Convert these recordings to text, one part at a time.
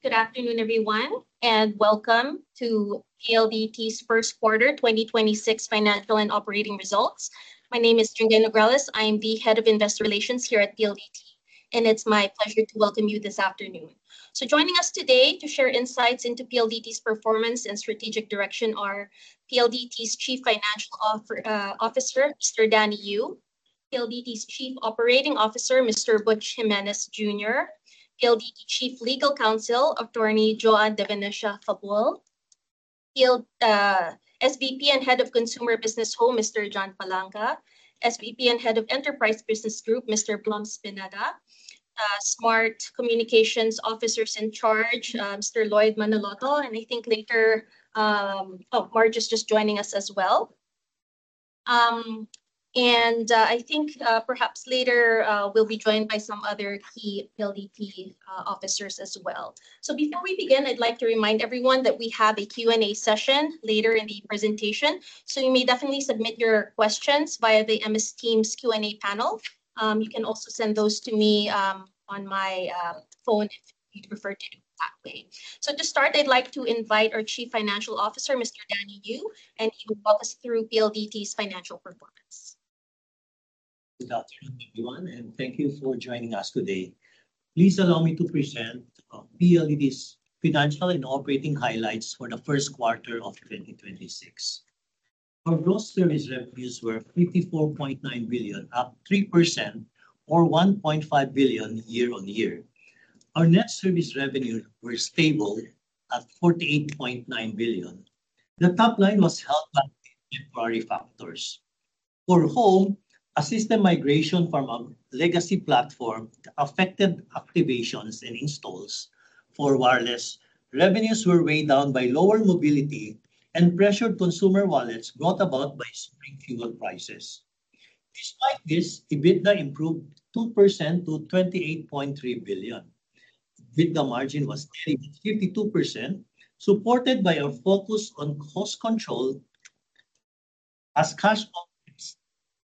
Good afternoon, everyone, and welcome to PLDT's first quarter 2026 financial and operating results. My name is Tringa Nogreles. I am the Head of Investor Relations here at PLDT, and it's my pleasure to welcome you this afternoon. Joining us today to share insights into PLDT's performance and strategic direction are PLDT's Chief Financial Officer, Mr. Danny Yu, PLDT's Chief Operating Officer, Mr. Butch Jimenez, Jr., PLDT Chief Legal Counsel, Attorney Joan De Venecia-Fabul, SVP and Head of Consumer Business Home, Mr. John Palanca, SVP and Head of Enterprise Business Group, Mr. Blums Pineda, Smart Communications Officers-in-Charge, Mr. Lloyd Manaloto. I think later, oh, Marge is just joining us as well. I think perhaps later we'll be joined by some other key PLDT officers as well. Before we begin, I'd like to remind everyone that we have a Q&A session later in the presentation, you may definitely submit your questions via the MS Teams Q&A panel. You can also send those to me on my phone if you'd prefer to do it that way. To start, I'd like to invite our Chief Financial Officer, Mr. Danny Yu, and he will walk us through PLDT's financial performance. Good afternoon, everyone, and thank you for joining us today. Please allow me to present PLDT's financial and operating highlights for the first quarter of 2026. Our gross service revenues were 54.9 billion, up 3%, or 1.5 billion year-on-year. Our net service revenue was stable at 48.9 billion. The top line was helped by temporary factors. For Home, a system migration from a legacy platform affected activations and installs. For wireless, revenues were weighed down by lower mobility and pressured consumer wallets brought about by spring fuel prices. Despite this, EBITDA improved 2% to 28.3 billion. EBITDA margin was 32%, supported by our focus on cost control as cash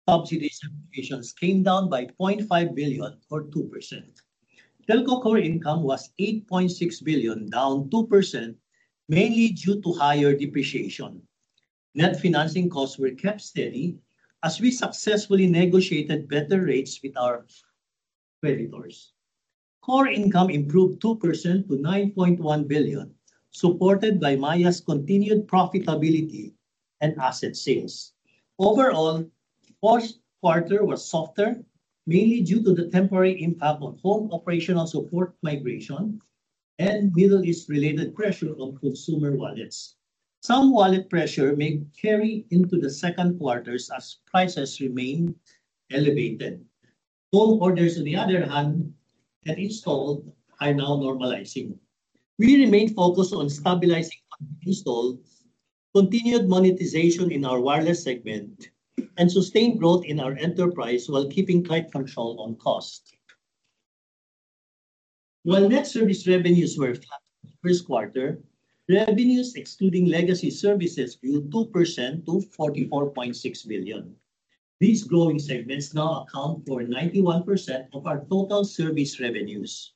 subsidies applications came down by 0.5 billion, or 2%. Telco core income was 8.6 billion, down 2%, mainly due to higher depreciation. Net financing costs were kept steady as we successfully negotiated better rates with our creditors. Core income improved 2% to 9.1 billion, supported by Maya's continued profitability and asset sales. Overall, first quarter was softer, mainly due to the temporary impact on Home operational support migration and Middle East related pressure on consumer wallets. Some wallet pressure may carry into the second quarters as prices remain elevated. Home orders, on the other hand, and installed are now normalizing. We remain focused on stabilizing installs, continued monetization in our wireless segment, and sustained growth in our enterprise while keeping tight control on cost. While net service revenues were flat first quarter, revenues excluding legacy services grew 2% to 44.6 billion. These growing segments now account for 91% of our total service revenues.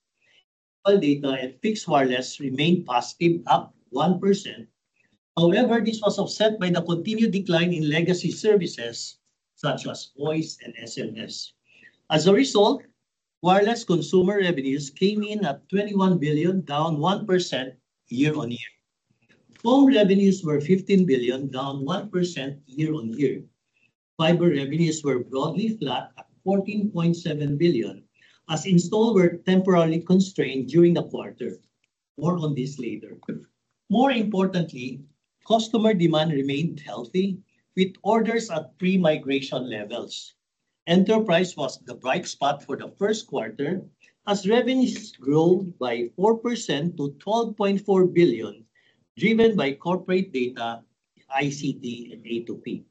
While data and fixed wireless remained positive, up 1%, however, this was offset by the continued decline in legacy services such as voice and SMS. As a result, wireless consumer revenues came in at 21 billion, down 1% year-on-year. Home revenues were 15 billion, down 1% year-on-year. Fiber revenues were broadly flat at 14.7 billion, as installs were temporarily constrained during the quarter. More on this later. More importantly, customer demand remained healthy with orders at pre-migration levels. Enterprise was the bright spot for the first quarter as revenues grew by 4% to 12.4 billion, driven by corporate data, ICT, and A2P.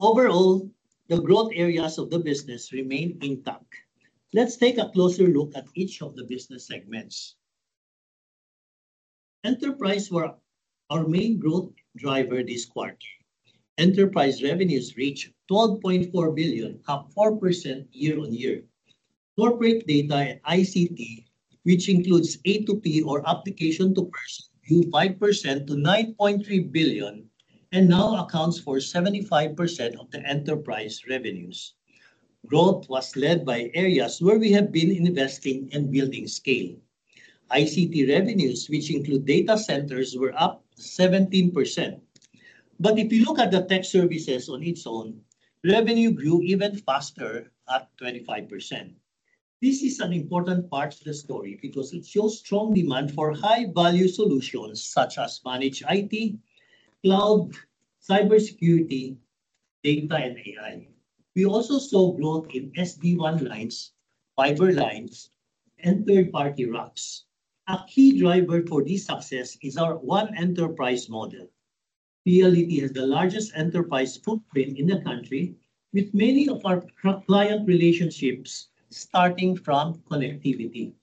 Overall, the growth areas of the business remain intact. Let's take a closer look at each of the business segments. Enterprise were our main growth driver this quarter. Enterprise revenues reached 12.4 billion, up 4% year-on-year. Corporate data and ICT, which includes A2P or application to person, grew 5% to 9.3 billion and now accounts for 75% of the enterprise revenues. Growth was led by areas where we have been investing and building scale. ICT revenues, which include data centers, were up 17%. If you look at the tech services on its own, revenue grew even faster at 25%. This is an important part to the story because it shows strong demand for high-value solutions such as managed IT, cloud, cybersecurity, data, and AI. We also saw growth in SD-WAN lines, fiber lines, and third-party routes. A key driver for this success is our One Enterprise model. PLDT has the largest enterprise footprint in the country with many of our client relationships starting from connectivity.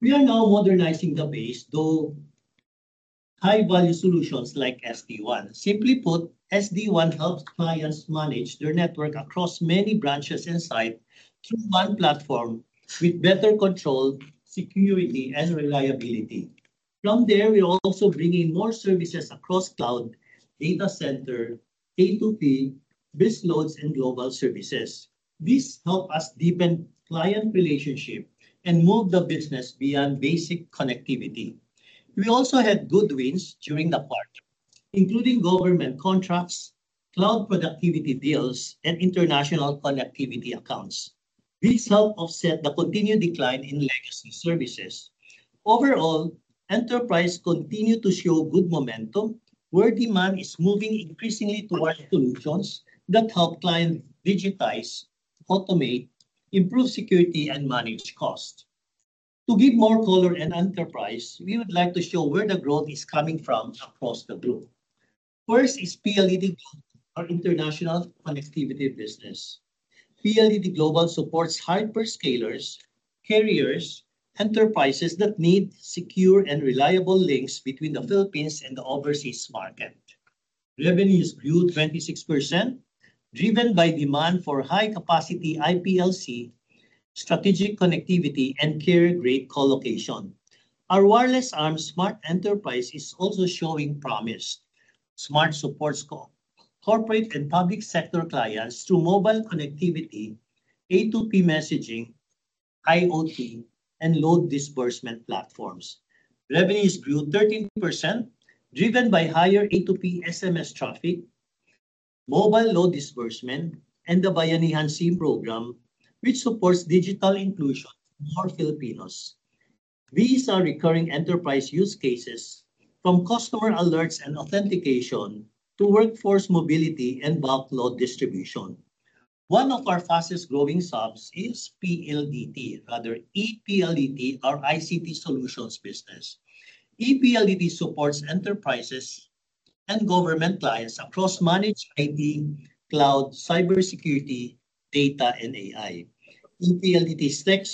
We are now modernizing the base through high-value solutions like SD-WAN. Simply put, SD-WAN helps clients manage their network across many branches and site through one platform with better control, security, and reliability. From there, we also bring in more services across cloud, data center, A2P, business loads, and global services. This help us deepen client relationship and move the business beyond basic connectivity. We also had good wins during the quarter, including government contracts, cloud productivity deals, and international connectivity accounts. These help offset the continued decline in legacy services. Overall, enterprise continued to show good momentum, where demand is moving increasingly towards solutions that help clients digitize, automate, improve security, and manage cost. To give more color and enterprise, we would like to show where the growth is coming from across the group. First is PLDT Global, our international connectivity business. PLDT Global supports hyperscalers, carriers, enterprises that need secure and reliable links between the Philippines and the overseas market. Revenues grew 26%, driven by demand for high-capacity IPLC, strategic connectivity, and carrier-grade colocation. Our wireless arm, Smart Enterprise, is also showing promise. Smart supports corporate and public sector clients through mobile connectivity, A2P messaging, IoT, and load disbursement platforms. Revenues grew 13%, driven by higher A2P SMS traffic, mobile load disbursement, and the Bayanihan SIM program, which supports digital inclusion for more Filipinos. These are recurring enterprise use cases, from customer alerts and authentication to workforce mobility and bulk load distribution. One of our fastest growing subs is PLDT, rather, ePLDT, our ICT solutions business. ePLDT supports enterprises and government clients across managed IT, cloud, cybersecurity, data, and AI. ePLDT tech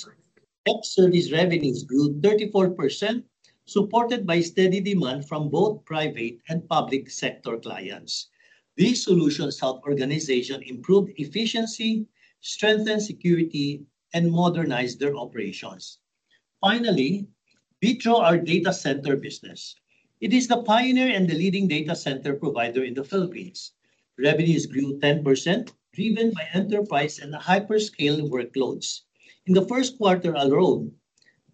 service revenues grew 34%, supported by steady demand from both private and public sector clients. These solutions help organization improve efficiency, strengthen security, and modernize their operations. Finally, VITRO, our data center business. It is the pioneer and the leading data center provider in the Philippines. Revenues grew 10%, driven by enterprise and the hyperscale workloads. In the first quarter alone,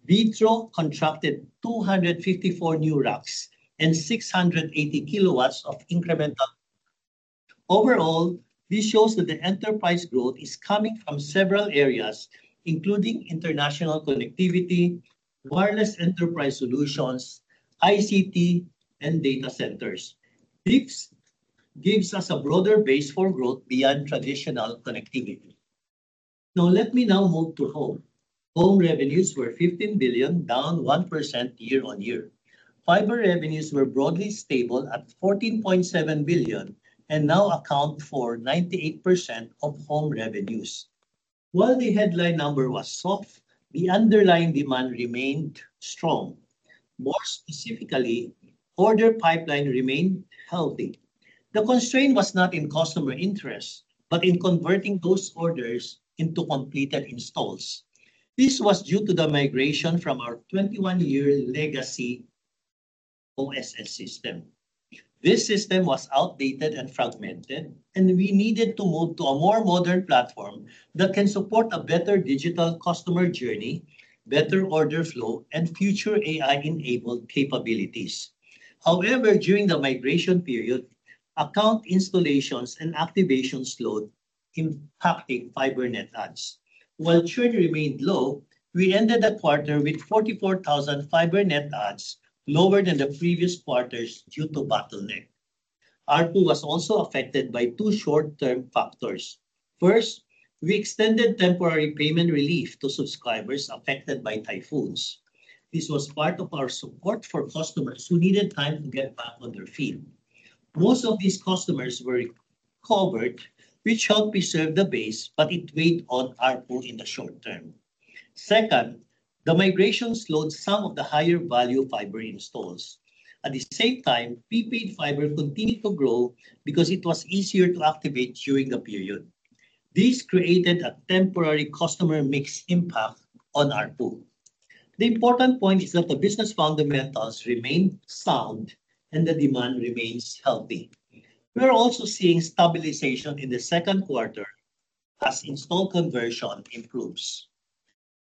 VITRO contracted 254 new racks and 680 kilowatts of incremental. Overall, this shows that the enterprise growth is coming from several areas, including international connectivity, wireless enterprise solutions, ICT, and data centers. This gives us a broader base for growth beyond traditional connectivity. Let me now move to Home. Home revenues were 15 billion, down 1% year-on-year. Fiber revenues were broadly stable at 14.7 billion and now account for 98% of Home revenues. While the headline number was soft, the underlying demand remained strong. More specifically, order pipeline remained healthy. The constraint was not in customer interest, but in converting those orders into completed installs. This was due to the migration from our 21-year legacy OSS system. This system was outdated and fragmented. We needed to move to a more modern platform that can support a better digital customer journey, better order flow, and future AI-enabled capabilities. However, during the migration period, account installations and activations slowed, impacting fiber net adds. While churn remained low, we ended the quarter with 44,000 fiber net adds, lower than the previous quarters due to bottleneck. ARPU was also affected by two short-term factors. First, we extended temporary payment relief to subscribers affected by typhoons. This was part of our support for customers who needed time to get back on their feet. Most of these customers were covered, which helped preserve the base, but it weighed on ARPU in the short term. Second, the migration slowed some of the higher value fiber installs. At the same time, prepaid fiber continued to grow because it was easier to activate during the period. This created a temporary customer mix impact on ARPU. The important point is that the business fundamentals remain sound. The demand remains healthy. We are also seeing stabilization in the second quarter as install conversion improves.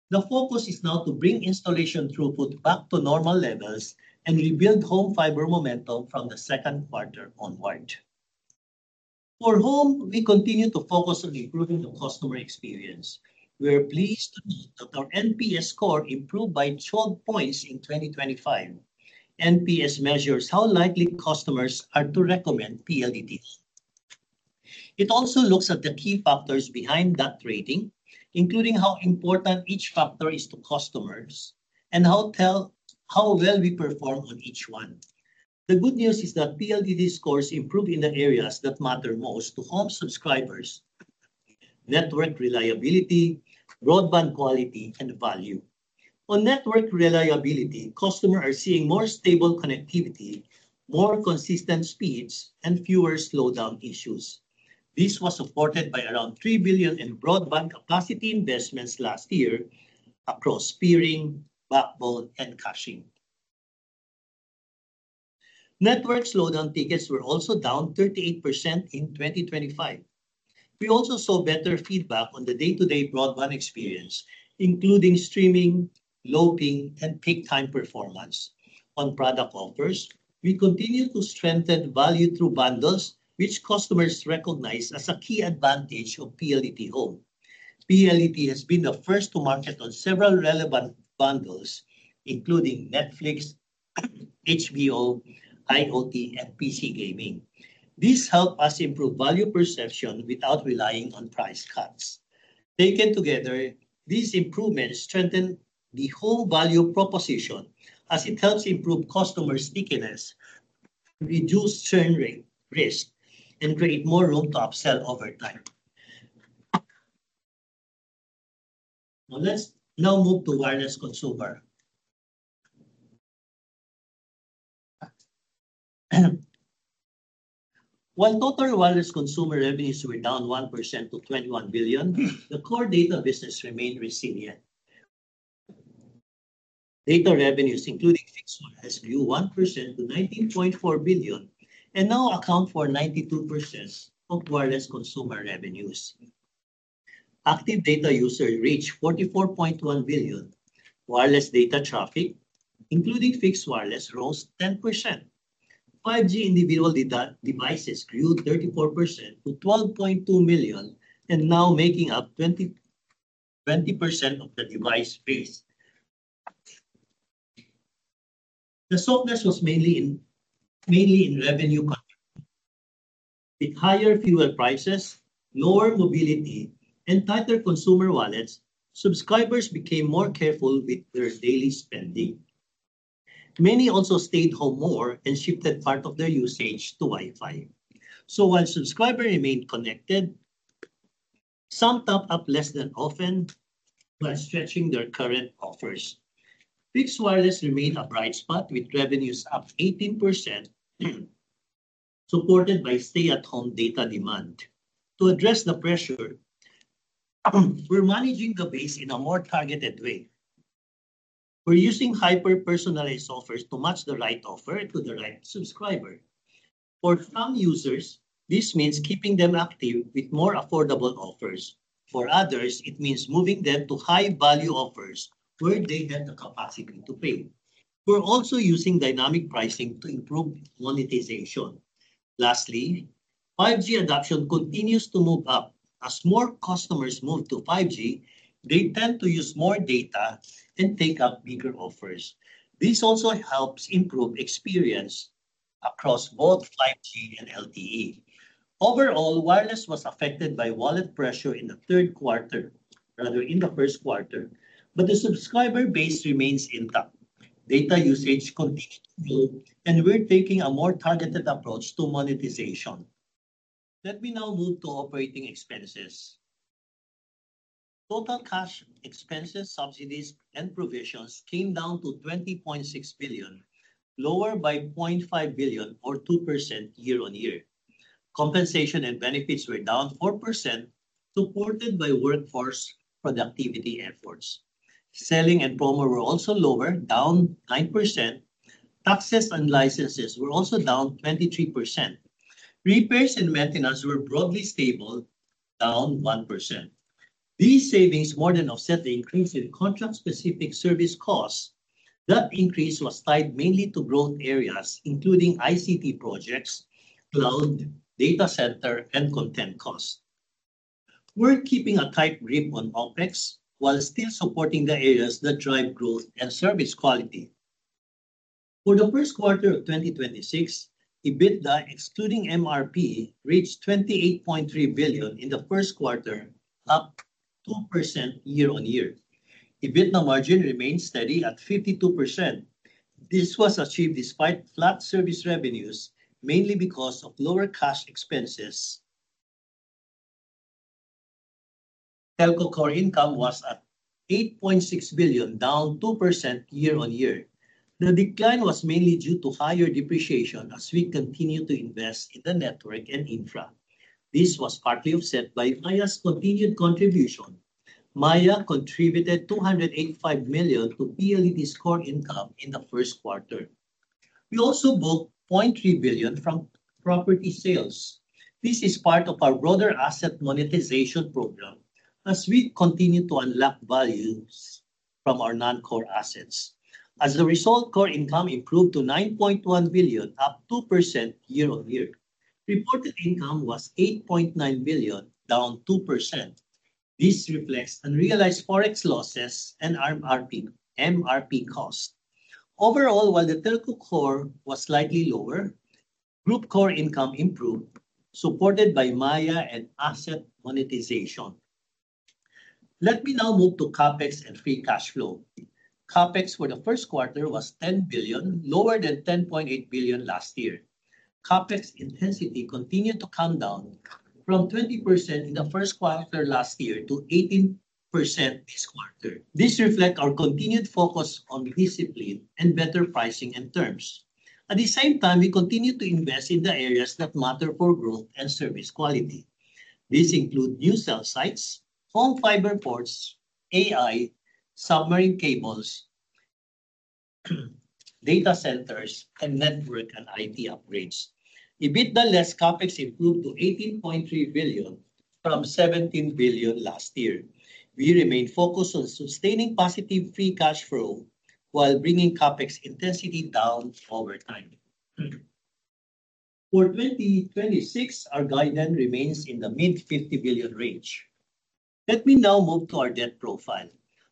The focus is now to bring installation throughput back to normal levels and rebuild home fiber momentum from the second quarter onward. For Home, we continue to focus on improving the customer experience. We are pleased to note that our NPS score improved by 12 points in 2025. NPS measures how likely customers are to recommend PLDT. It also looks at the key factors behind that rating, including how important each factor is to customers and how well we perform on each one. The good news is that PLDT scores improved in the areas that matter most to Home subscribers Network reliability, broadband quality, and value. On network reliability, customers are seeing more stable connectivity, more consistent speeds, and fewer slowdown issues. This was supported by around 3 billion in broadband capacity investments last year across peering, backbone, and caching. Network slowdown tickets were also down 38% in 2025. We also saw better feedback on the day-to-day broadband experience, including streaming, low ping, and peak time performance. On product offers, we continue to strengthen value through bundles, which customers recognize as a key advantage of PLDT Home. PLDT has been the first to market on several relevant bundles, including Netflix, HBO, IoT, and PC gaming. This help us improve value perception without relying on price cuts. Taken together, these improvements strengthen the home value proposition as it helps improve customer stickiness, reduce churn rate risk, and create more room to upsell over time. Let's now move to wireless consumer. While total wireless consumer revenues were down 1% to 21 billion, the core data business remained resilient. Data revenues, including fixed wireless, grew 1% to 19.4 billion and now account for 92% of wireless consumer revenues. Active data user reached 44.1 billion. Wireless data traffic, including fixed wireless, rose 10%. 5G individual data devices grew 34% to 12.2 million and now making up 20% of the device base. The softness was mainly in revenue. With higher fuel prices, lower mobility, and tighter consumer wallets, subscribers became more careful with their daily spending. Many also stayed home more and shifted part of their usage to Wi-Fi. While subscriber remained connected, some top up less than often by stretching their current offers. Fixed wireless remained a bright spot, with revenues up 18%, supported by stay-at-home data demand. To address the pressure, we're managing the base in a more targeted way. We're using hyper-personalized offers to match the right offer to the right subscriber. For some users, this means keeping them active with more affordable offers. For others, it means moving them to high-value offers where they have the capacity to pay. We're also using dynamic pricing to improve monetization. Lastly, 5G adoption continues to move up. As more customers move to 5G, they tend to use more data and take up bigger offers. This also helps improve experience across both 5G and LTE. Overall, wireless was affected by wallet pressure in the third quarter, rather in the first quarter, but the subscriber base remains intact. Data usage continued to grow, we're taking a more targeted approach to monetization. Let me now move to operating expenses. Total cash expenses, subsidies, and provisions came down to 20.6 billion, lower by 0.5 billion or 2% year-on-year. Compensation and benefits were down 4%, supported by workforce productivity efforts. Selling and promo were also lower, down 9%. Taxes and licenses were also down 23%. Repairs and maintenance were broadly stable, down 1%. These savings more than offset the increase in contract-specific service costs. That increase was tied mainly to growth areas, including ICT projects, cloud, data center, and content costs. We're keeping a tight grip on OpEx while still supporting the areas that drive growth and service quality. For the first quarter of 2026, EBITDA, excluding MRP, reached 28.3 billion in the first quarter, up 2% year-on-year. EBITDA margin remained steady at 52%. This was achieved despite flat service revenues, mainly because of lower cash expenses. Telco core income was at 8.6 billion, down 2% year-on-year. The decline was mainly due to higher depreciation as we continue to invest in the network and infra. This was partly offset by Maya's continued contribution. Maya contributed 285 million to PLDT's core income in the first quarter. We also booked 0.3 billion from property sales. This is part of our broader asset monetization program as we continue to unlock values from our non-core assets. As a result, core income improved to 9.1 billion, up 2% year-on-year. Reported income was 8.9 billion, down 2%. This reflects unrealized Forex losses and MRP cost. Overall, while the telco core was slightly lower, group core income improved, supported by Maya and asset monetization. Let me now move to CapEx and free cash flow. CapEx for the first quarter was 10 billion, lower than 10.8 billion last year. CapEx intensity continued to come down from 20% in the first quarter last year to 18% this quarter. This reflects our continued focus on discipline and better pricing and terms. At the same time, we continue to invest in the areas that matter for growth and service quality. These include new cell sites, home fiber ports, AI, submarine cables, data centers, and network and IT upgrades. EBITDA less CapEx improved to 18.3 billion from 17 billion last year. We remain focused on sustaining positive free cash flow while bringing CapEx intensity down over time. For 2026, our guidance remains in the mid 50 billion range. Let me now move to our debt profile.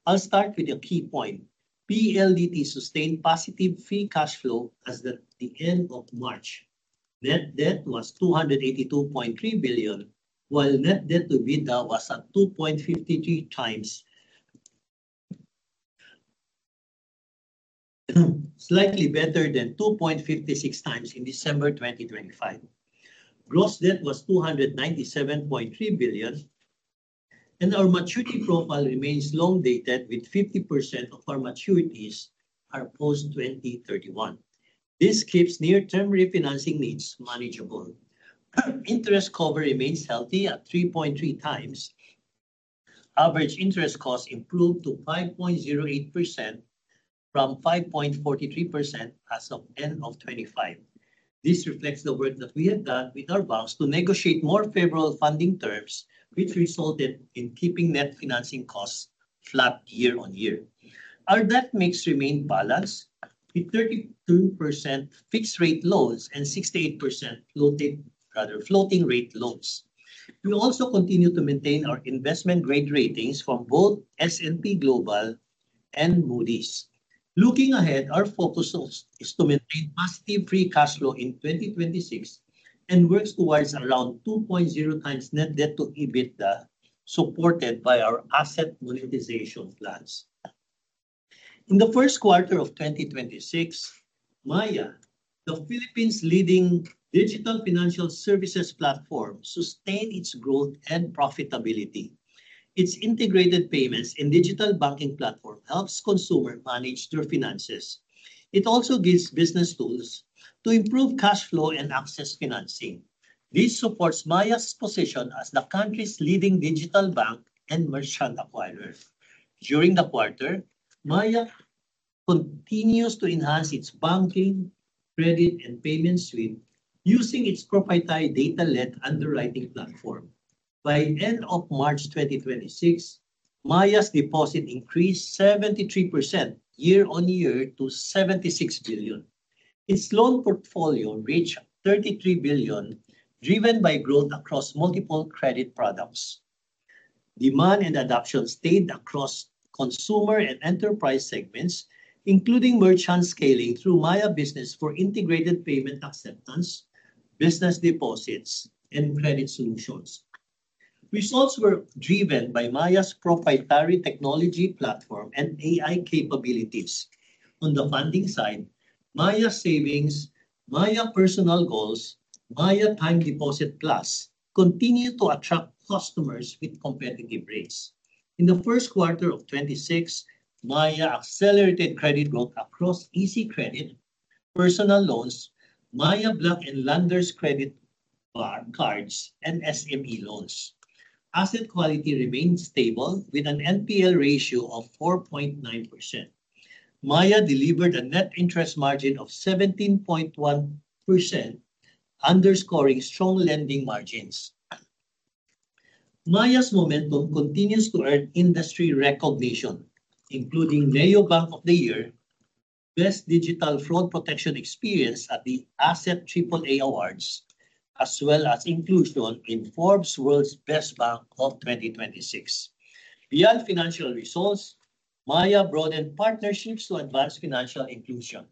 I'll start with a key point. PLDT sustained positive free cash flow as at the end of March. Net debt was 282.3 billion, while net debt to EBITDA was at 2.53 times, slightly better than 2.56 times in December 2025. Gross debt was 297.3 billion, and our maturity profile remains long-dated, with 50% of our maturities are post-2031. This keeps near-term refinancing needs manageable. Interest cover remains healthy at 3.3 times. Average interest costs improved to 5.08% from 5.43% as of end of 2025. This reflects the work that we have done with our banks to negotiate more favorable funding terms, which resulted in keeping net financing costs flat year-over-year. Our debt mix remains balanced, with 32% fixed rate loans and 68% floating rate loans. We will also continue to maintain our investment grade ratings from both S&P Global and Moody's. Looking ahead, our focus is to maintain positive free cash flow in 2026 and work towards around 2.0 times net debt to EBITDA, supported by our asset monetization plans. In the first quarter of 2026, Maya, the Philippines' leading digital financial services platform, sustained its growth and profitability. Its integrated payments and digital banking platform helps consumers manage their finances. It also gives business tools to improve cash flow and access financing. This supports Maya's position as the country's leading digital bank and merchant acquirer. During the quarter, Maya continues to enhance its banking, credit, and payment suite using its proprietary data-led underwriting platform. By end of March 2026, Maya's deposit increased 73% year-over-year to 76 billion. Its loan portfolio reached 33 billion, driven by growth across multiple credit products. Demand and adoption stayed across consumer and enterprise segments, including merchant scaling through Maya Business for integrated payment acceptance, business deposits, and credit solutions. Results were driven by Maya's proprietary technology platform and AI capabilities. On the funding side, Maya Savings, Maya Personal Goals, Maya Time Deposit Plus continue to attract customers with competitive rates. In the first quarter of 2026, Maya accelerated credit growth across Maya Easy Credit, personal loans, Maya Black Credit Card and Landers Cashback Everywhere Credit Card, and SME loans. Asset quality remained stable with an NPL ratio of 4.9%. Maya delivered a net interest margin of 17.1%, underscoring strong lending margins. Maya's momentum continues to earn industry recognition, including Neo Bank of the Year, Best Digital Fraud Protection Experience at The Asset Triple A Awards, as well as inclusion in Forbes World's Best Bank of 2026. Beyond financial results, Maya broadened partnerships to advance financial inclusion.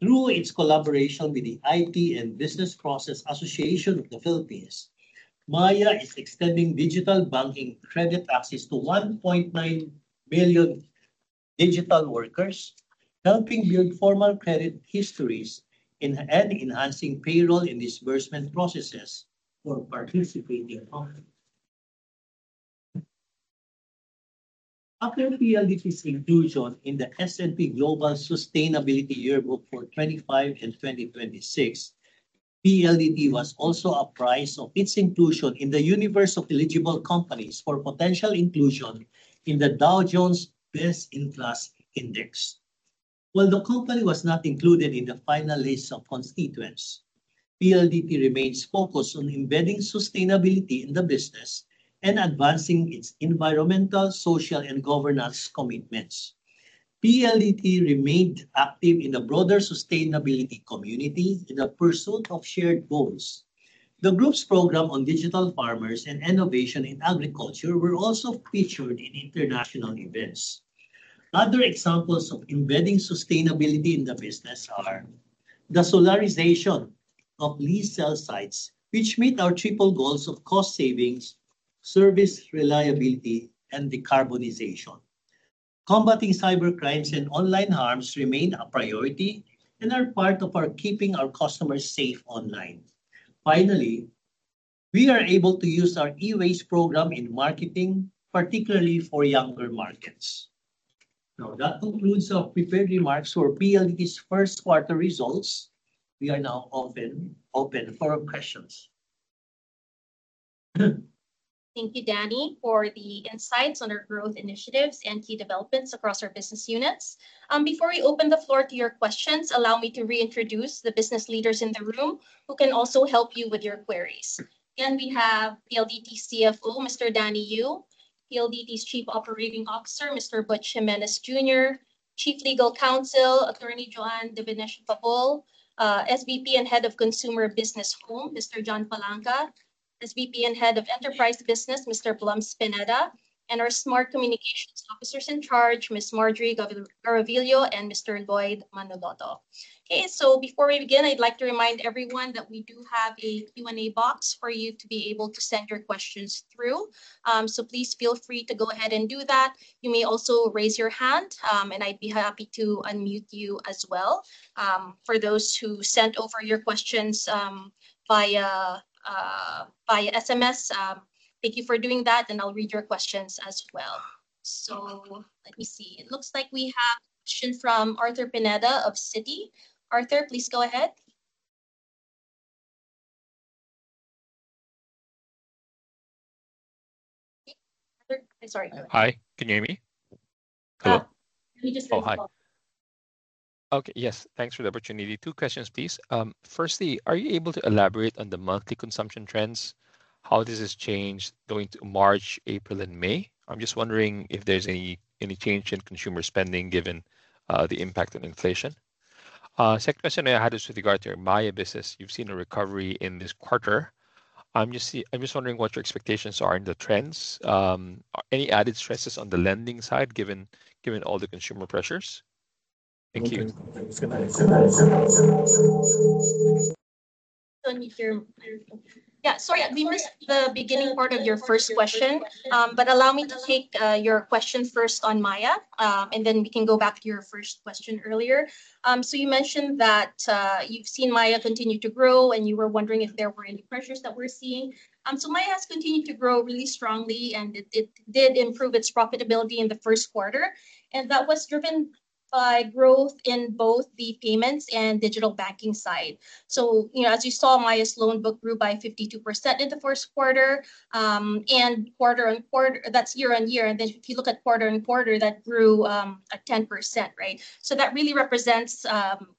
Through its collaboration with the IT and Business Process Association of the Philippines, Maya is extending digital banking credit access to 1.9 million digital workers, helping build formal credit histories and enhancing payroll and disbursement processes for participating companies. After PLDT's inclusion in the S&P Global Sustainability Yearbook for 2025 and 2026, PLDT was also apprised of its inclusion in the universe of eligible companies for potential inclusion in the Dow Jones Best-in-Class Index. While the company was not included in the final list of constituents, PLDT remains focused on embedding sustainability in the business and advancing its environmental, social, and governance commitments. PLDT remained active in the broader sustainability community in the pursuit of shared goals. The group's program on digital farmers and innovation in agriculture were also featured in international events. Other examples of embedding sustainability in the business are the solarization of lease cell sites, which meet our triple goals of cost savings, service reliability, and decarbonization. Combating cyber crimes and online harms remain a priority and are part of our keeping our customers safe online. Finally, we are able to use our e-waste program in marketing, particularly for younger markets. That concludes our prepared remarks for PLDT's first quarter results. We are now open for questions. Thank you, Danny, for the insights on our growth initiatives and key developments across our business units. Before we open the floor to your questions, allow me to reintroduce the business leaders in the room who can also help you with your queries. Again, we have PLDT CFO, Mr. Danny Yu, PLDT's Chief Operating Officer, Mr. Butch Jimenez, Jr., Chief Legal Counsel, Attorney Joan De Venecia-Fabul, SVP and Head of Consumer Business Home, Mr. John Palanca, SVP and Head of Enterprise Business, Mr. Blums Pineda, and our Smart Communications Officers in charge, Ms. Marjorie Garrovillo, and Mr. Lloyd Manaloto. Before we begin, I'd like to remind everyone that we do have a Q&A box for you to be able to send your questions through. Please feel free to go ahead and do that. You may also raise your hand, and I'd be happy to unmute you as well. For those who sent over your questions via SMS, thank you for doing that, and I'll read your questions as well. Let me see. It looks like we have a question from Arthur Pineda of Citi. Arthur, please go ahead. Arthur? I'm sorry. Hi. Can you hear me? Hello. We just raised the volume. Oh, hi. Okay. Yes. Thanks for the opportunity. Two questions, please. Firstly, are you able to elaborate on the monthly consumption trends? How this has changed going to March, April, and May? I'm just wondering if there's any change in consumer spending given the impact of inflation. Second question I had is with regard to your Maya business. You've seen a recovery in this quarter. I'm just wondering what your expectations are in the trends. Any added stresses on the lending side given all the consumer pressures? Thank you. Yeah. Sorry, we missed the beginning part of your first question. Allow me to take your question first on Maya, and then we can go back to your first question earlier. You mentioned that you've seen Maya continue to grow, and you were wondering if there were any pressures that we're seeing. Maya has continued to grow really strongly, and it did improve its profitability in the first quarter, and that was driven by growth in both the payments and digital banking side. As you saw, Maya's loan book grew by 52% in the first quarter, and that's year-on-year. If you look at quarter-on-quarter, that grew at 10%, right? That really represents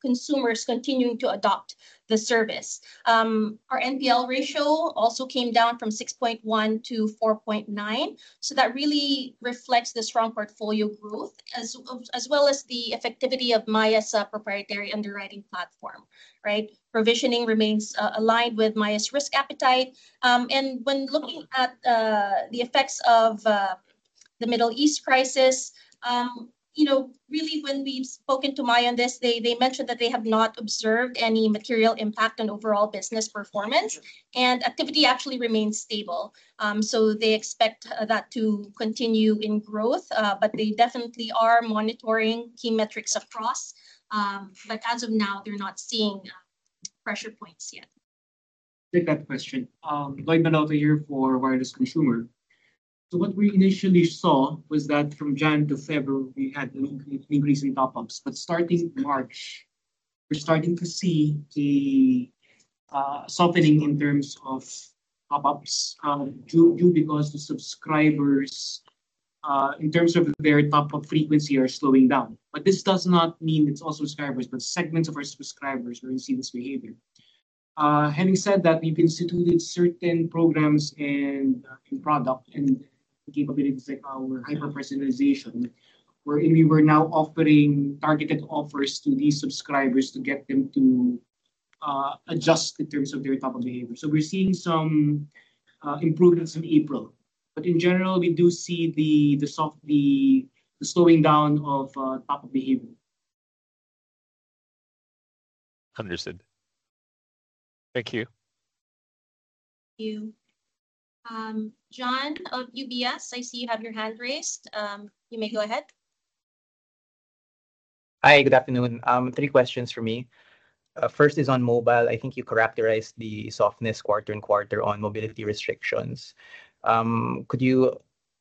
consumers continuing to adopt the service. Our NPL ratio also came down from 6.1 to 4.9, that really reflects the strong portfolio growth, as well as the effectivity of Maya's proprietary underwriting platform. Right? Provisioning remains aligned with Maya's risk appetite. When looking at the effects of the Middle East crisis, really when we've spoken to Maya on this, they mentioned that they have not observed any material impact on overall business performance. Activity actually remains stable. They expect that to continue in growth. They definitely are monitoring key metrics across. As of now, they're not seeing pressure points yet. I'll take that question. Lloyd Manaloto here for Wireless Consumer. What we initially saw was that from January to February, we had an increase in top-ups. Starting March, we're starting to see the softening in terms of top-ups, due because the subscribers, in terms of their top-up frequency, are slowing down. This does not mean it's all subscribers, but segments of our subscribers where we see this behavior. Having said that, we've instituted certain programs and product and capabilities like our hyper-personalization, wherein we were now offering targeted offers to these subscribers to get them to adjust in terms of their top-up behavior. We're seeing some improvements in April. In general, we do see the slowing down of top-up behavior. Understood. Thank you. Thank you. John of UBS, I see you have your hand raised. You may go ahead. Hi, good afternoon. Three questions for me. First is on mobile. I think you characterized the softness quarter on quarter on mobility restrictions. Could you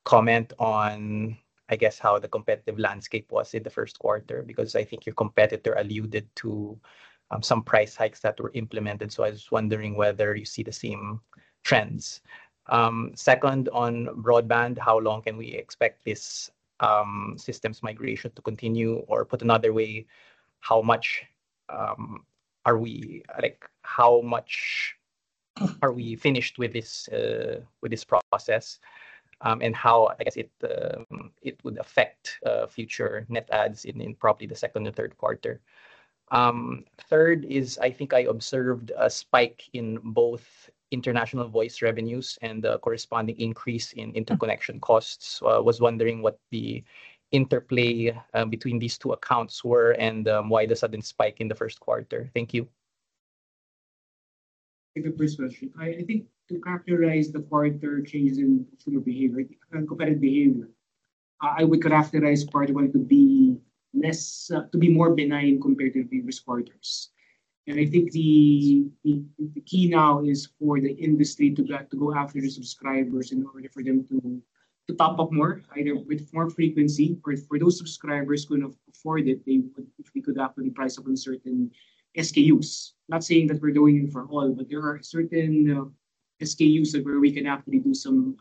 comment on, I guess, how the competitive landscape was in the first quarter? Because I think your competitor alluded to some price hikes that were implemented, so I was wondering whether you see the same trends. Second, on broadband, how long can we expect this systems migration to continue? Or put another way, how much are we finished with this process? And how, I guess, it would affect future net adds in probably the second or third quarter. Third is, I think I observed a spike in both international voice revenues and the corresponding increase in interconnection costs. I was wondering what the interplay between these two accounts were and why the sudden spike in the first quarter. Thank you. I'll take the first question. I think to characterize the quarter changes in consumer behavior, competitive behavior, I would characterize part one to be more benign compared to previous quarters. The key now is for the industry to go after the subscribers in order for them to top up more, either with more frequency, or for those subscribers who can afford it, they would, if we could actually price up on certain SKUs. Not saying that we're doing it for all, but there are certain SKUs where we can actually do some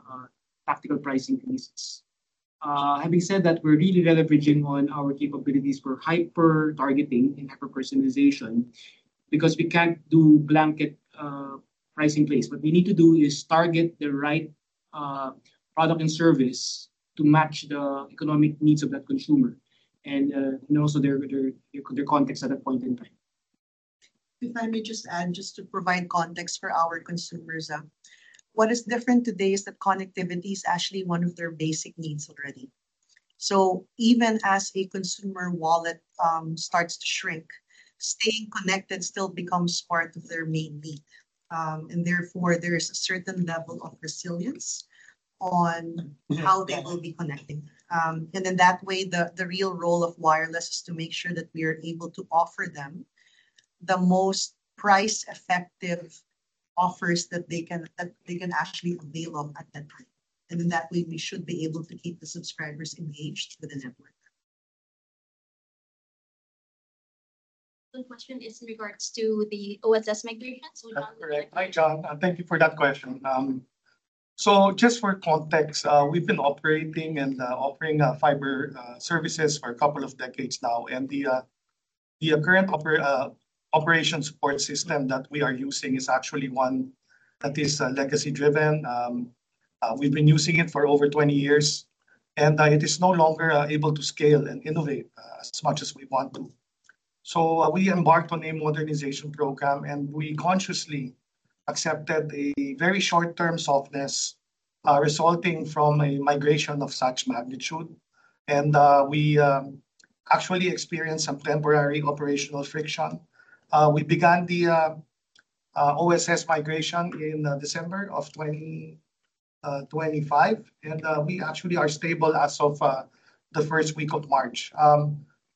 tactical pricing increases. Having said that, we're really leveraging on our capabilities for hyper-targeting and hyper-personalization because we can't do blanket pricing place. What we need to do is target the right product and service to match the economic needs of that consumer and also their context at that point in time. If I may just add, just to provide context for our consumers, what is different today is that connectivity is actually one of their basic needs already. Even as a consumer wallet starts to shrink, staying connected still becomes part of their main need. Therefore, there is a certain level of resilience on how they will be connecting. In that way, the real role of wireless is to make sure that we are able to offer them the most price-effective offers that they can actually avail of at that point. In that way, we should be able to keep the subscribers engaged with the network. The question is in regards to the OSS migration. That's correct. Hi, John. Thank you for that question. Just for context, we've been operating and offering fiber services for a couple of decades now, and the current operation support system that we are using is actually one that is legacy driven. We've been using it for over 20 years, and it is no longer able to scale and innovate as much as we want to. We embarked on a modernization program, and we consciously accepted a very short-term softness resulting from a migration of such magnitude. We actually experienced some temporary operational friction. We began the OSS migration in December of 2025, and we actually are stable as of the first week of March.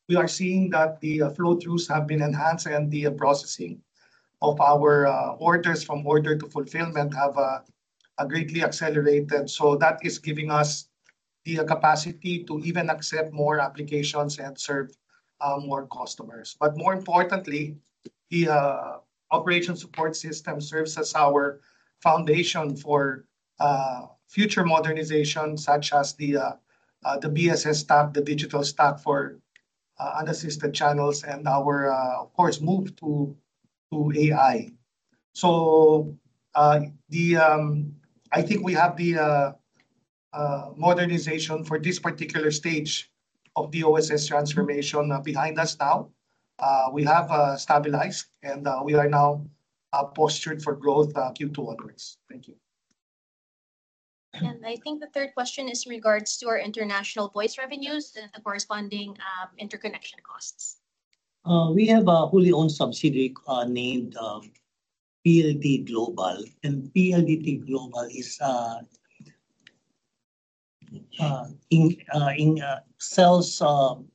We are seeing that the flow-throughs have been enhanced and the processing of our orders from order to fulfillment have greatly accelerated. That is giving us the capacity to even accept more applications and serve more customers. More importantly, the operation support system serves as our foundation for future modernization, such as the BSS stack, the digital stack for unassisted channels, and our, of course, move to AI. I think we have the modernization for this particular stage of the OSS transformation behind us now. We have stabilized, and we are now postured for growth Q2 onwards. Thank you. I think the third question is in regards to our international voice revenues and the corresponding interconnection costs. We have a wholly owned subsidiary named PLDT Global. PLDT Global sells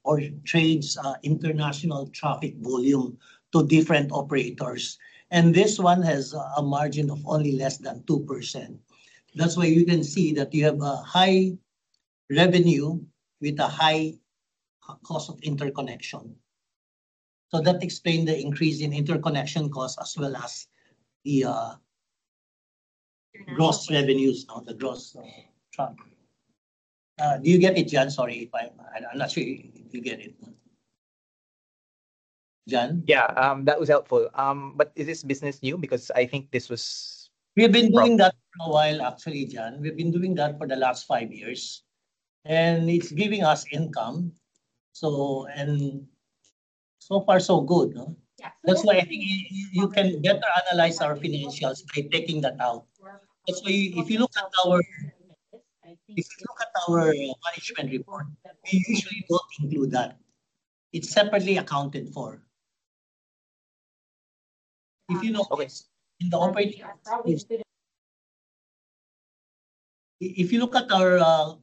or trades international traffic volume to different operators. This one has a margin of only less than 2%. That's why you can see that you have a high revenue with a high cost of interconnection. That explain the increase in interconnection cost as well as the gross revenues or the gross trunk. Do you get it, Jan? Sorry if I'm not sure if you get it, Jan. Yeah. That was helpful. Is this business new? Because I think this was- We've been doing that for a while actually, Jan. We've been doing that for the last five years. It's giving us income. So far so good, no? Yeah. That's why I think you can better analyze our financials by taking that out. Actually, if you look at our management report, we usually don't include that. It's separately accounted for. If you look- Okay If you look at our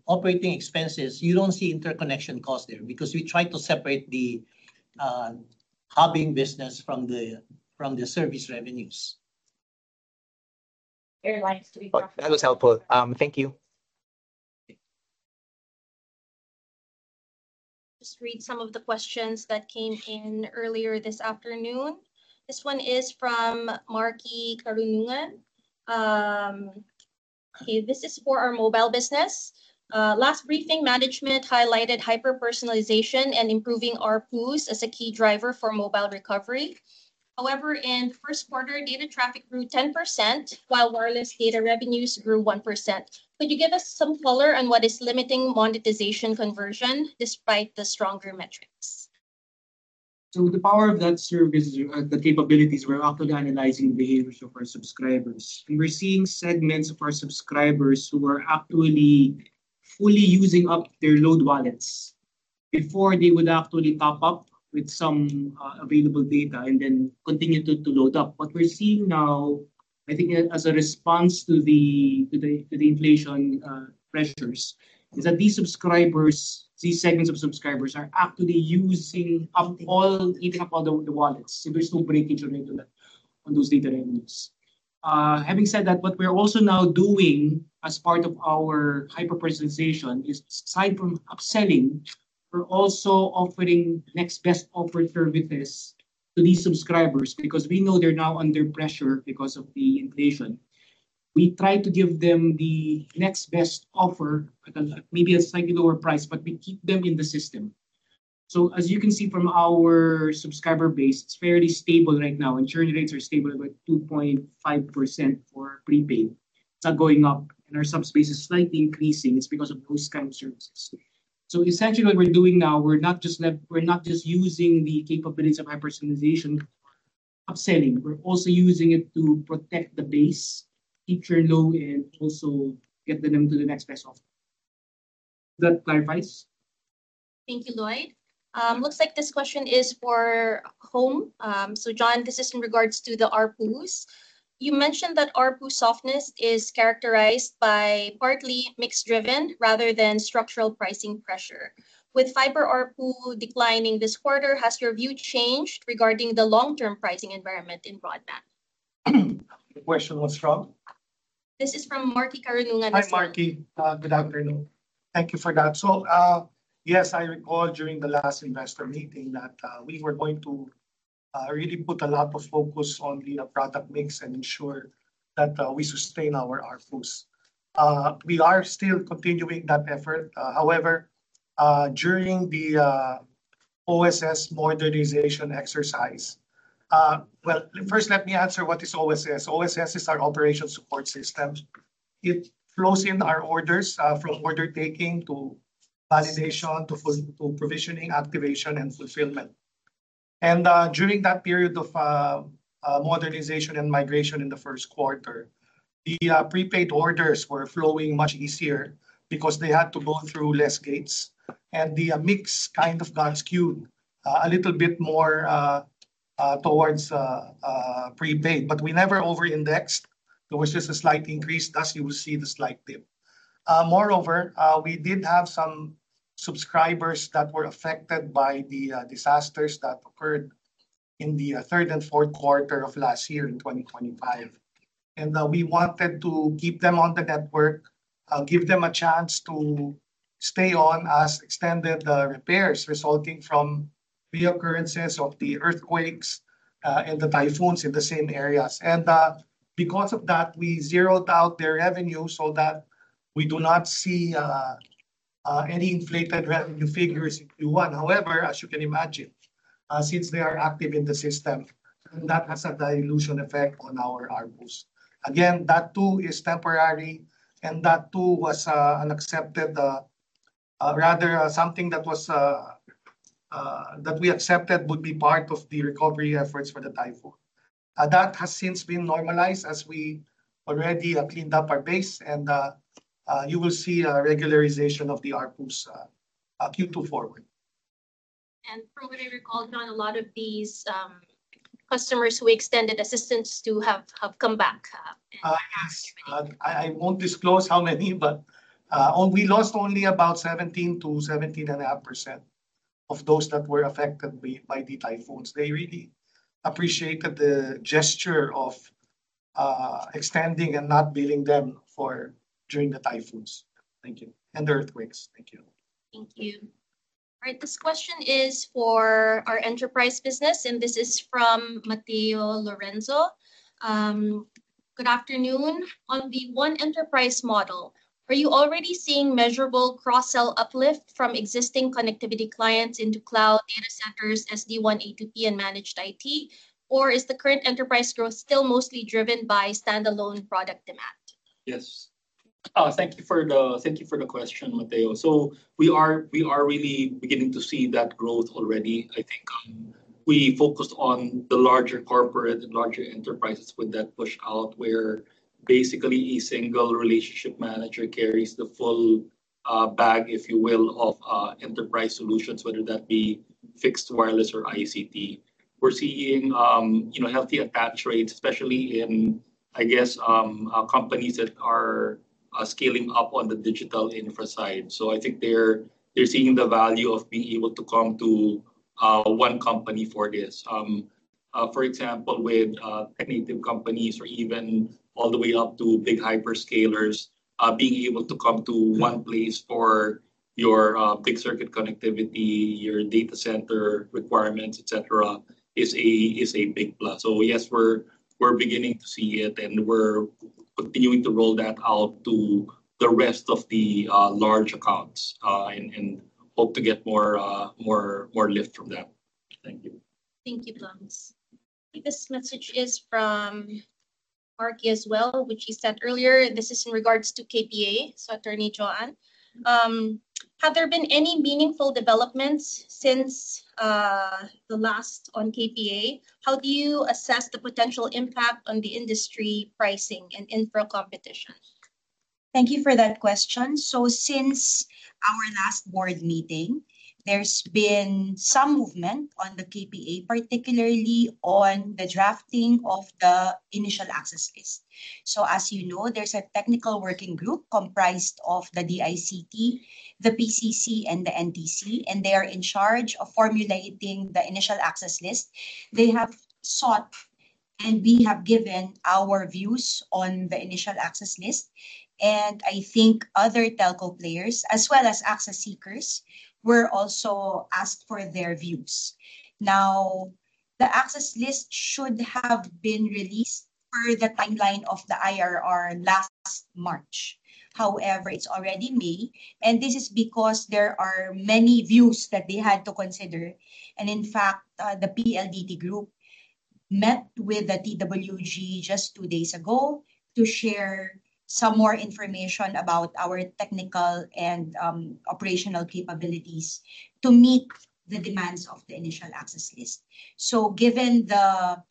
operating expenses, you don't see interconnection costs there because we try to separate the hubbing business from the service revenues. Airlines to be- That was helpful. Thank you. Just read some of the questions that came in earlier this afternoon. This one is from Marky Carunungan. Okay, this is for our mobile business. Last briefing, management highlighted hyper-personalization and improving ARPUs as a key driver for mobile recovery. However, in first quarter, data traffic grew 10%, while wireless data revenues grew 1%. Could you give us some color on what is limiting monetization conversion despite the stronger metrics? The power of that service, the capabilities, we're actually analyzing behaviors of our subscribers. We're seeing segments of our subscribers who are actually fully using up their load wallets Before, they would actually top up with some available data and then continue to load up. What we're seeing now, I think as a response to the inflation pressures, is that these segments of subscribers are actually eating up all the wallets. There's no breakage on those data revenues. Having said that, what we're also now doing as part of our hyper-personalization is, aside from upselling, we're also offering next best offer services to these subscribers because we know they're now under pressure because of the inflation. We try to give them the next best offer at maybe a slightly lower price, but we keep them in the system. As you can see from our subscriber base, it's fairly stable right now, and churn rates are stable at about 2.5% for prepaid. It's not going up, and our subbase is slightly increasing. It's because of post-paid services. Essentially, what we're doing now, we're not just using the capabilities of hyper-personalization, upselling. We're also using it to protect the base, keep churn low, and also get them to the next best offer. Does that clarify? Thank you, Lloyd. Looks like this question is for Home. John, this is in regards to the ARPUs. You mentioned that ARPU softness is characterized by partly mix-driven rather than structural pricing pressure. With fiber ARPU declining this quarter, has your view changed regarding the long-term pricing environment in broadband? The question was from? This is from Marky Carunungan, sir. Hi, Marky. Good afternoon. Thank you for that. Yes, I recall during the last investor meeting that we were going to really put a lot of focus on the product mix and ensure that we sustain our ARPUs. We are still continuing that effort. However, during the OSS modernization exercise. Well, first let me answer what is OSS. OSS is our operation support system. It flows in our orders, from order taking to validation to provisioning, activation, and fulfillment. During that period of modernization and migration in the first quarter, the prepaid orders were flowing much easier because they had to go through less gates, and the mix kind of got skewed a little bit more towards prepaid. We never over-indexed. There was just a slight increase. Thus, you will see the slight dip. Moreover, we did have some subscribers that were affected by the disasters that occurred in the third and fourth quarter of last year, in 2025. We wanted to keep them on the network, give them a chance to stay on as extended repairs resulting from reoccurrences of the earthquakes, and the typhoons in the same areas. Because of that, we zeroed out their revenue so that we do not see any inflated revenue figures in Q1. However, as you can imagine, since they are active in the system, that has a dilution effect on our ARPUs. Again, that too is temporary, and that too was something that we accepted would be part of the recovery efforts for the typhoon. That has since been normalized as we already cleaned up our base, and you will see a regularization of the ARPUs Q2 forward. From what I recall, John, a lot of these customers who extended assistance to have come back. Yes. I won't disclose how many, but we lost only about 17 to 17.5% of those that were affected by the typhoons. They really appreciated the gesture of extending and not billing them during the typhoons. Thank you. The earthquakes. Thank you. Thank you. All right, this question is for our enterprise business, this is from Matteo Lorenzo. Good afternoon. On the One Enterprise model, are you already seeing measurable cross-sell uplift from existing connectivity clients into cloud data centers, SD-WAN, A2P, and managed IT? Is the current enterprise growth still mostly driven by standalone product demand? Yes. Thank you for the question, Matteo. We are really beginning to see that growth already, I think. We focused on the larger corporate and larger enterprises with that push out, where basically a single relationship manager carries the full bag, if you will, of enterprise solutions, whether that be fixed, wireless, or ICT. We're seeing healthy attach rates, especially in companies that are scaling up on the digital infra side. I think they're seeing the value of being able to come to one company for this. For example, with tech native companies or even all the way up to big hyperscalers, being able to come to one place for your big circuit connectivity, your data center requirements, et cetera, is a big plus. Yes, we're beginning to see it, we're continuing to roll that out to the rest of the large accounts, and hope to get more lift from them. Thank you. Thank you, John. I think this message is from Marky as well, which he said earlier, this is in regards to KPA. Attorney Joan, have there been any meaningful developments since the last on KPA? How do you assess the potential impact on the industry pricing and infra competition? Thank you for that question. Since our last board meeting, there's been some movement on the KPA, particularly on the drafting of the initial access list. As you know, there's a technical working group comprised of the DICT, the PCC, and the NTC, and they are in charge of formulating the initial access list. They have sought, and we have given our views on the initial access list, and I think other telco players, as well as access seekers, were also asked for their views. The access list should have been released per the timeline of the IRR last March. However, it's already May, and this is because there are many views that they had to consider. In fact, the PLDT group met with the TWG just two days ago to share some more information about our technical and operational capabilities to meet the demands of the initial access list. Given the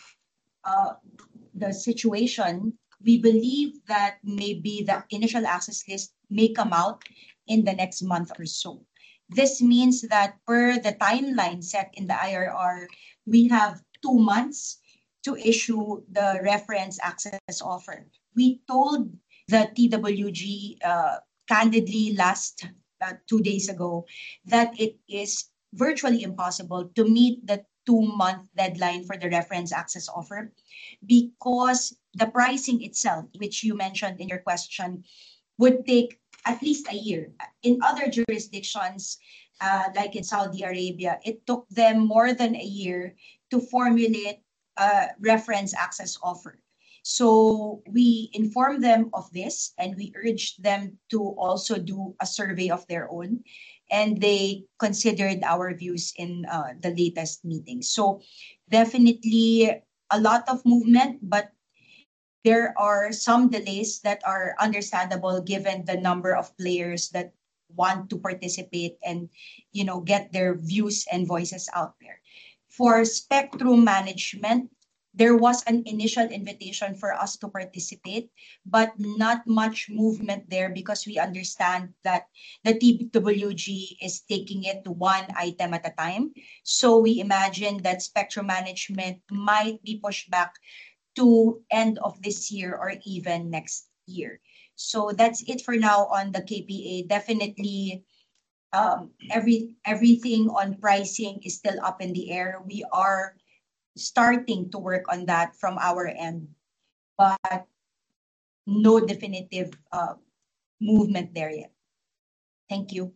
situation, we believe that maybe the initial access list may come out in the next month or so. This means that per the timeline set in the IRR, we have two months to issue the reference access offer. We told the TWG candidly two days ago that it is virtually impossible to meet the two-month deadline for the reference access offer because the pricing itself, which you mentioned in your question, would take at least a year. In other jurisdictions, like in Saudi Arabia, it took them more than a year to formulate a reference access offer. We informed them of this, and we urged them to also do a survey of their own, and they considered our views in the latest meeting. Definitely a lot of movement, there are some delays that are understandable given the number of players that want to participate and get their views and voices out there. For spectrum management, there was an initial invitation for us to participate, not much movement there because we understand that the TWG is taking it one item at a time. We imagine that spectrum management might be pushed back to end of this year or even next year. That's it for now on the KPA. Definitely everything on pricing is still up in the air. We are starting to work on that from our end, no definitive movement there yet. Thank you.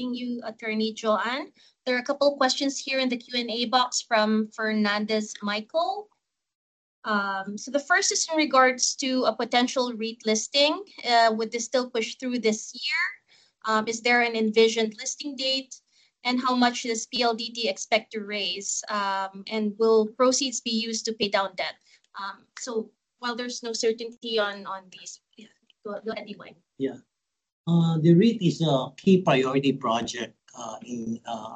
Thank you, Attorney Joanne. There are a couple questions here in the Q&A box from Fernandez Michael. The first is in regards to a potential REIT listing. Would this still push through this year? Is there an envisioned listing date? How much does PLDT expect to raise? Will proceeds be used to pay down debt? While there's no certainty on this, go ahead anyway. Yeah. The REIT is a key priority project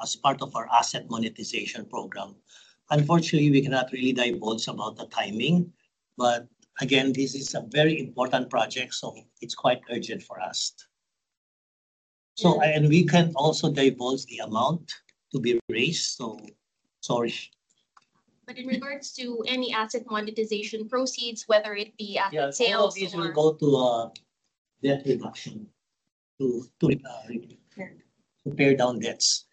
as part of our asset monetization program. Unfortunately, we cannot really divulge about the timing, again, this is a very important project, it's quite urgent for us. We can't also divulge the amount to be raised, sorry. In regards to any asset monetization proceeds, whether it be sales. Yes, all of these will go to debt reduction. Sure pay down debts.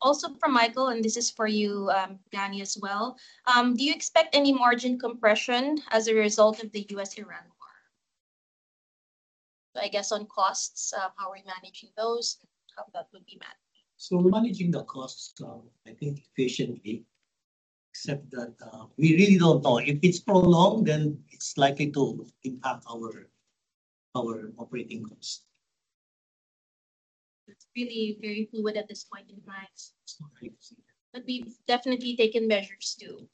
Also from Michael, and this is for you, Danny, as well. Do you expect any margin compression as a result of the US-Iran war? I guess on costs, how we're managing those, and how that would be managed. We're managing the costs, I think efficiently, except that we really don't know. If it's prolonged, then it's likely to impact our operating costs. It's really very fluid at this point in time. It's not easy. We've definitely taken measures to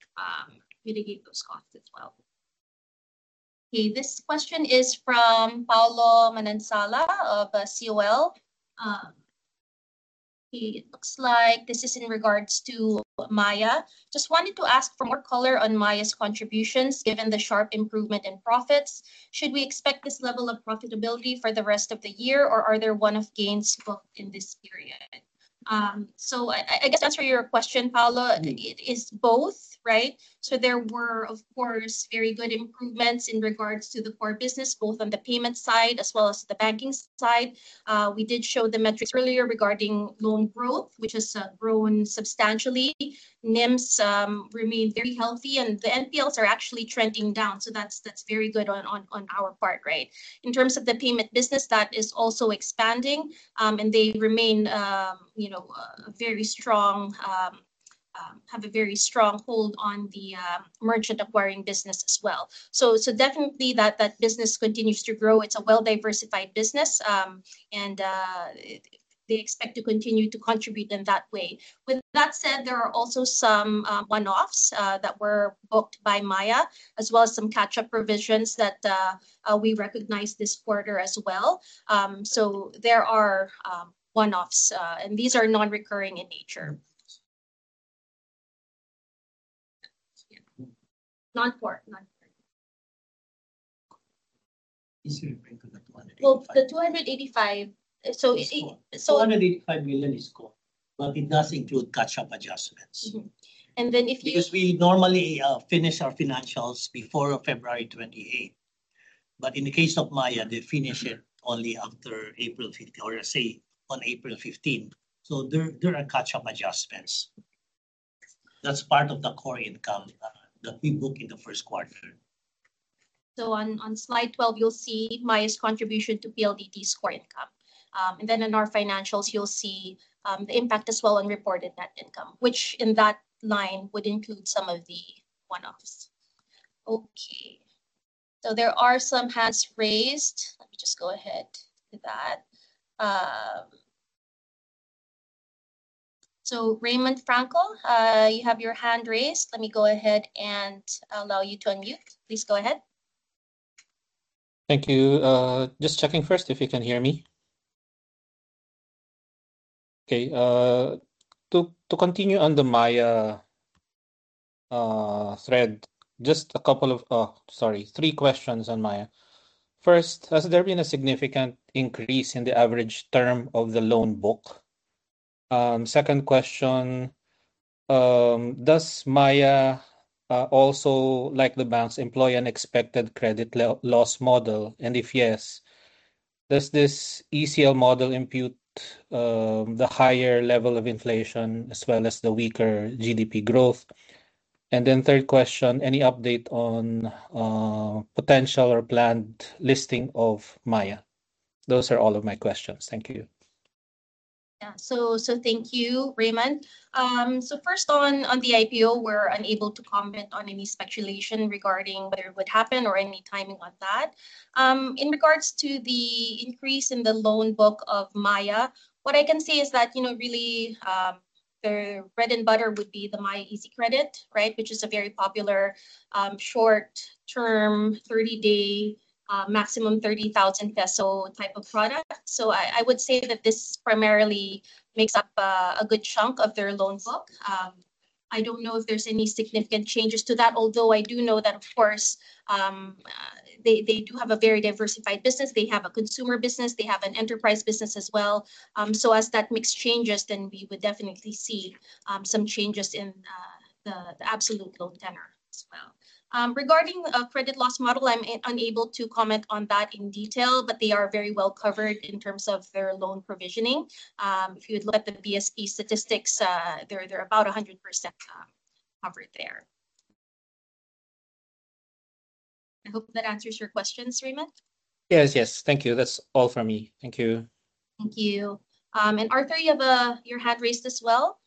mitigate those costs as well. This question is from Paolo Manansala of COL. It looks like this is in regards to Maya. Just wanted to ask for more color on Maya's contributions, given the sharp improvement in profits. Should we expect this level of profitability for the rest of the year, or are there one-off gains booked in this period? I guess to answer your question, Paolo, it is both, right? There were, of course, very good improvements in regards to the core business, both on the payment side as well as the banking side. We did show the metrics earlier regarding loan growth, which has grown substantially. NIMs remain very healthy, and the NPLs are actually trending down. That's very good on our part, right? In terms of the payment business, that is also expanding, and they have a very strong hold on the merchant acquiring business as well. Definitely that business continues to grow. It's a well-diversified business, and they expect to continue to contribute in that way. With that said, there are also some one-offs that were booked by Maya, as well as some catch-up provisions that we recognized this quarter as well. There are one-offs, and these are non-recurring in nature. Yeah. Non-core. Is it referring to the PHP 285? Well, the 285. 285 million is core, but it does include catch-up adjustments. Mm-hmm. We normally finish our financials before February 28th, but in the case of Maya, they finish it only after April 15, or say, on April 15th. There are catch-up adjustments. That's part of the core income that we book in the first quarter. On slide 12, you'll see Maya's contribution to PLDT's core income. In our financials, you'll see the impact as well on reported net income, which in that line would include some of the one-offs. Okay. There are some hands raised. Let me just go ahead with that. Raymond Franco, you have your hand raised. Let me go ahead and allow you to unmute. Please go ahead. Thank you. Just checking first if you can hear me. Okay. To continue on the Maya thread, just three questions on Maya. First, has there been a significant increase in the average term of the loan book? Second question, does Maya also, like the banks, employ an expected credit loss model? If yes, does this ECL model impute the higher level of inflation as well as the weaker GDP growth? Third question, any update on potential or planned listing of Maya? Those are all of my questions. Thank you. Yeah. Thank you, Raymond. First on the IPO, we're unable to comment on any speculation regarding whether it would happen or any timing on that. In regards to the increase in the loan book of Maya, what I can say is that really, their bread and butter would be the Maya Easy Credit, right? Which is a very popular short term, 30-day, maximum 30,000 peso type of product. I would say that this primarily makes up a good chunk of their loan book. I don't know if there's any significant changes to that, although I do know that, of course, they do have a very diversified business. They have a consumer business, they have an enterprise business as well. As that mix changes, we would definitely see some changes in the absolute loan tenor as well. Regarding a credit loss model, I'm unable to comment on that in detail, but they are very well covered in terms of their loan provisioning. If you would look at the BSP statistics, they're about 100% covered there. I hope that answers your questions, Raymond. Yes. Thank you. That's all from me. Thank you. Thank you. Arthur, you have your hand raised as well.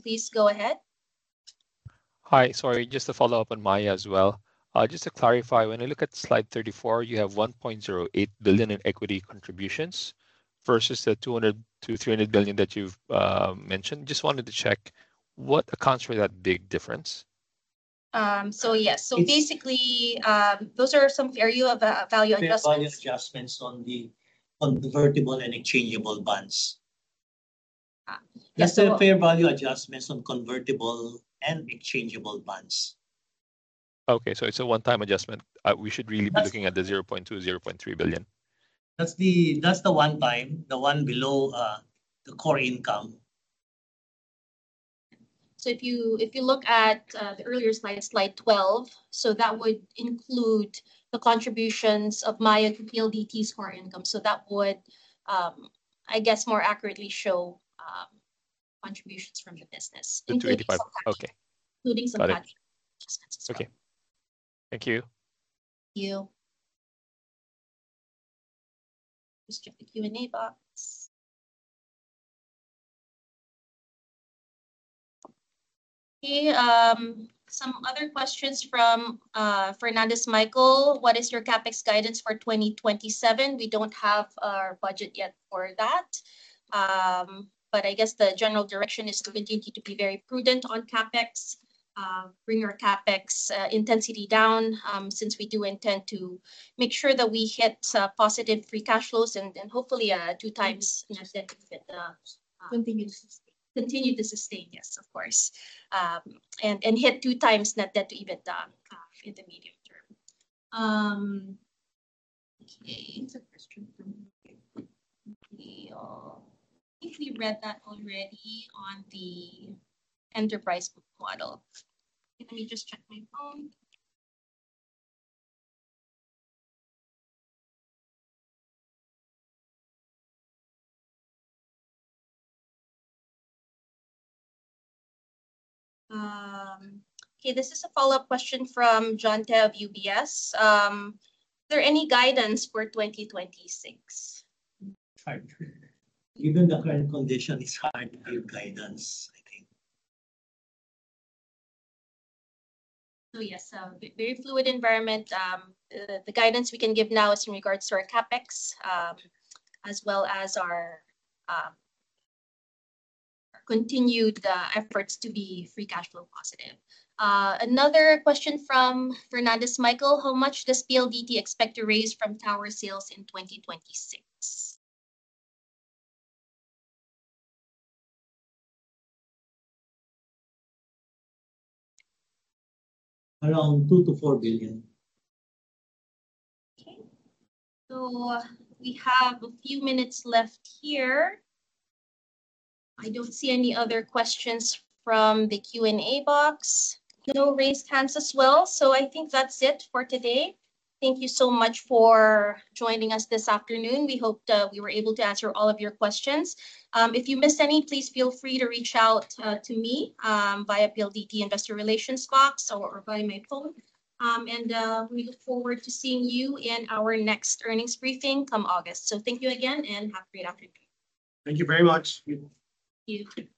Please go ahead. Hi. Sorry, just to follow up on Maya as well. Just to clarify, when I look at slide 34, you have 1.08 billion in equity contributions versus the 200 billion-300 billion that you've mentioned. Just wanted to check what accounts for that big difference? Yes. Basically, those are some value adjustments. Fair value adjustments on the convertible and exchangeable bonds. Yeah. That's the fair value adjustments on convertible and exchangeable bonds. Okay, it's a one-time adjustment. We should really be looking at the 0.2 billion-0.3 billion. That's the one time, the one below the core income. If you look at the earlier slide 12, that would include the contributions of Maya to PLDT's core income. That would, I guess, more accurately show contributions from the business. The 285, okay. Including some value adjustments as well. Okay. Thank you. Thank you. Just check the Q&A box. Okay, some other questions from Fernandez Michael, "What is your CapEx guidance for 2027?" We don't have our budget yet for that. I guess the general direction is to continue to be very prudent on CapEx, bring our CapEx intensity down, since we do intend to make sure that we hit positive free cash flows and hopefully two times net debt to EBITDA. Continue to sustain. Continue to sustain, yes, of course. Hit two times net debt to EBITDA in the medium term. Okay. There's a question from Neil. I think we read that already on the enterprise book model. Let me just check my phone. Okay, this is a follow-up question from John Te of UBS. "Is there any guidance for 2026? Given the current condition, it's hard to give guidance, I think. Yes, very fluid environment. The guidance we can give now is in regards to our CapEx, as well as our continued efforts to be free cash flow positive. Another question from Fernandez Michael, "How much does PLDT expect to raise from tower sales in 2026? Around 2 billion-4 billion. Okay. We have a few minutes left here. I don't see any other questions from the Q&A box. No raised hands as well, I think that's it for today. Thank you so much for joining us this afternoon. We hope we were able to answer all of your questions. If you missed any, please feel free to reach out to me via PLDT Investor Relations box or via my phone. We look forward to seeing you in our next earnings briefing come August. Thank you again, and have a great afternoon. Thank you very much. Thank you.